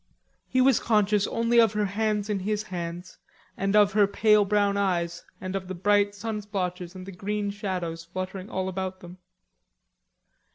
He was conscious only of her hands in his hands and of her pale brown eyes and of the bright sun splotches and the green shadows fluttering all about them.